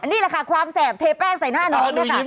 นี่แหละค่ะความแสบเทแป้งใส่หน้าน้องด้วยค่ะ